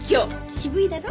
渋いだろ？